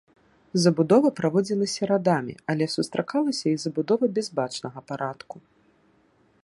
Забудова праводзілася радамі, але сустракалася і забудова без бачнага парадку.